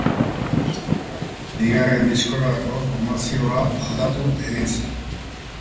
Bigarren diskorako, formazioa aldatu egin zen.